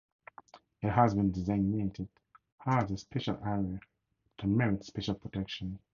It has been designated as a "special area" that merits special protection.